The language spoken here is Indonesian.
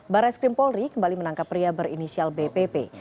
barreskrim polri kembali menangkap pria berinisial bpp